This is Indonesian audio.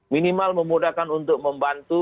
minimal memudahkan untuk membantu